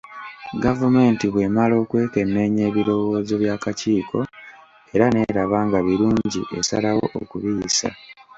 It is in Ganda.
Gavumenti bw’emala okwekenneenya ebirowoozo by’akakiiko era n’eraba nga birungi esalawo okubiyisa.